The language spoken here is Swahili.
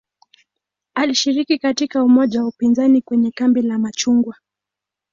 Alishiriki katika umoja wa upinzani kwenye "kambi la machungwa".